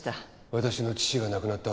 私の父が亡くなった